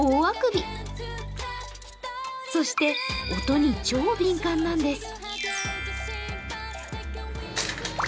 そして、音に超敏感なんです。